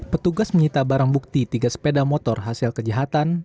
petugas menyita barang bukti tiga sepeda motor hasil kejahatan